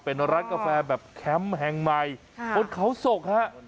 เป็นร้านกาแฟแบบแคมป์แห่งใหม่บนเขาศกฮะ